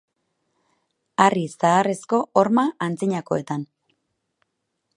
Harri zaharrezko horma antzinakoetan.